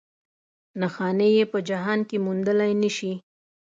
نښانې یې په جهان کې موندلی نه شي.